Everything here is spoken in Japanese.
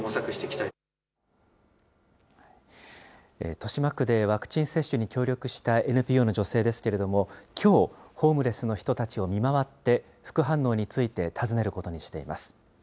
豊島区でワクチン接種に協力したＮＰＯの女性ですけれども、きょう、ホームレスの人たちを見回って、副反応について尋ねることにしています。